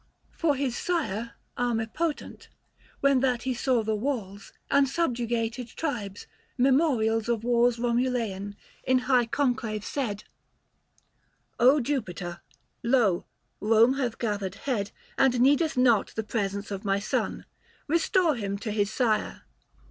For his sire Armipotent, when that he saw the walls And subjugated tribes, memorials Of wars Komulean, in high conclave, said " Jupiter ! lo, Kome hath gathered head And needeth not the presence of my son ; Kestore him to his sire.